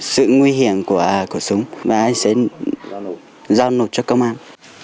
sự nguy hiểm của khẩu súng và em sẽ giao nộp cho công an